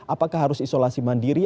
apakah harus isolasi mandiri